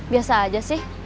biasa aja sih